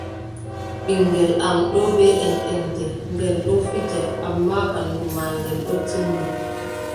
Ɓinngel am ɗon bee enʼente, ngel ɗon fija ammaa ɓanndu maagel ɗon timma.